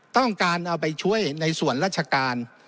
ต้องการเอาไปช่วยในส่วนราชการ